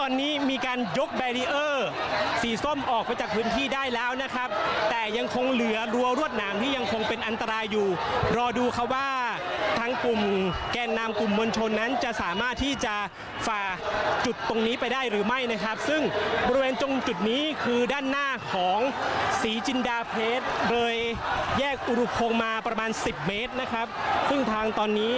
ตอนนี้มีการยกแบรีเออร์สีส้มออกไปจากพื้นที่ได้แล้วนะครับแต่ยังคงเหลือรัวรวดหนามที่ยังคงเป็นอันตรายอยู่รอดูครับว่าทางกลุ่มแกนนำกลุ่มมวลชนนั้นจะสามารถที่จะฝ่าจุดตรงนี้ไปได้หรือไม่นะครับซึ่งบริเวณตรงจุดนี้คือด้านหน้าของศรีจินดาเพชรเลยแยกอุรุพงศ์มาประมาณสิบเมตรนะครับซึ่งทางตอนนี้